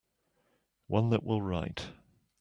One that will write.